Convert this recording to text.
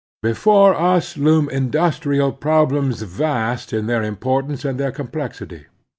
Before us loom industrial problems vast in their importance and their complexity.